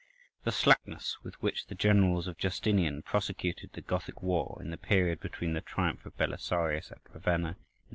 The slackness with which the generals of Justinian prosecuted the Gothic war in the period between the triumph of Belisarius at Ravenna in A.